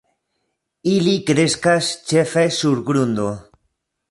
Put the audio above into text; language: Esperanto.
Ili kreskas ĉefe sur grundo.